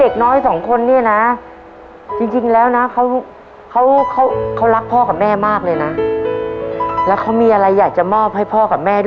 ก็อย่างเชื่อ